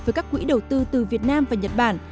với các quỹ đầu tư từ việt nam và nhật bản